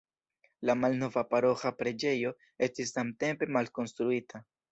La malnova paroĥa preĝejo estis samtempe malkonstruita.